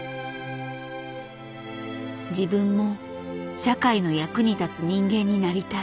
「自分も社会の役に立つ人間になりたい」。